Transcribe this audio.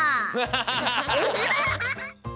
ハハハハ！